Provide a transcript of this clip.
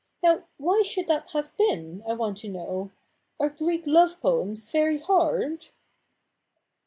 Now, why should that have been, I want to know? Are Greek love poems very hard